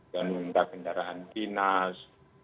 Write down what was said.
dan kendaraan binas